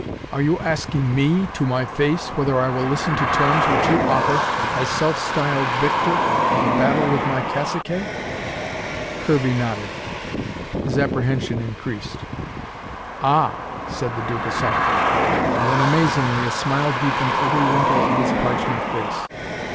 "Are you asking me, to my face, whether I will listen to terms which you offer as self styled victor of a battle with my caciques?" Kirby nodded. His apprehension increased. "Ah," said the Duca softly. And then, amazingly, a smile deepened every wrinkle of his parchment face.